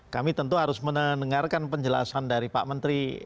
kami tentu harus mendengarkan penjelasan dari pak menteri